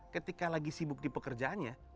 ketika lagi sibuk di pekerjaannya